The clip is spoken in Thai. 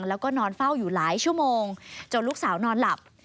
แล้วก็นอนเฝ้าอยู่หลายชั่วโมงจนลูกสาวนอนหลับ